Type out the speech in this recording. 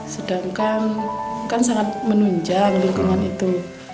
sedangkan kan sangat menunjang lingkungan itu